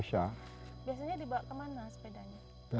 biasanya dibawa kemana sepedanya